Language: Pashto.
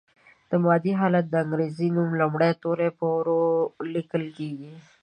د مادې حالت د انګریزي نوم لومړي توري په وړو لیکل کیږي.